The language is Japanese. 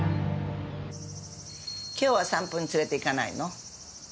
今日は散歩に連れていかないの？